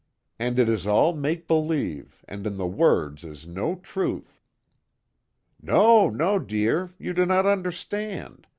And it is all make believe, and in the words is no truth!" "No, no, dear! You do not understand.